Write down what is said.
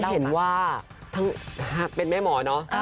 ฉันเห็นว่าถ้าเป็นแม่หมอเนอะ